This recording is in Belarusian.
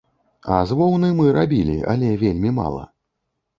А з воўны мы рабілі, але вельмі мала.